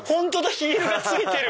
ヒールがついてる！